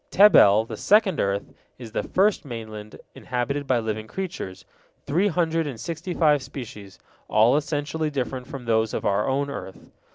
Tebel, the second earth, is the first mainland inhabited by living creatures, three hundred and sixty five species, all essentially different from those of our own earth.